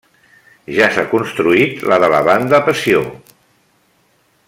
Ja s'ha construït la de la banda Passió.